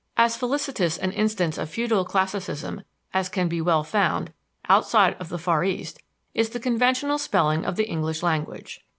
As felicitous an instance of futile classicism as can well be found, outside of the Far East, is the conventional spelling of the English language.